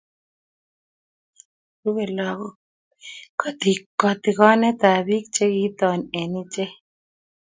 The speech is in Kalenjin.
Rubei lagok katikonetab biik che kinton eng' ichek